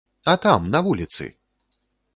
А там, на вуліцы!